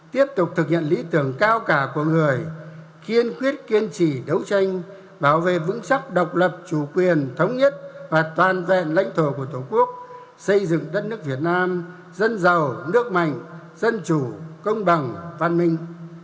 tiếp tục thực hiện lý tưởng cao cả của người kiên quyết kiên trì đấu tranh bảo vệ vững chắc độc lập chủ quyền thống nhất và toàn vẹn lãnh thổ của tổ quốc xây dựng đất nước việt nam dân giàu nước mạnh dân chủ công bằng văn minh